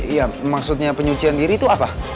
iya maksudnya penyucian diri itu apa